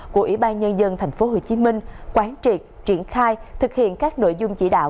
của ủy ban nhân dân tp hcm quán triệt triển khai thực hiện các nội dung chỉ đạo